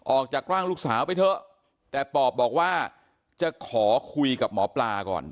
ออกจากร่างลูกสาวไปเถอะแต่ปอบบอกว่าจะขอคุยกับหมอปลาก่อน